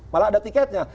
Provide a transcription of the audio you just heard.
malah ada tiketnya